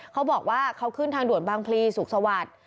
เขาบอกว่าเขาขึ้นทางด่วนบางพลีสุขสวัสดิ์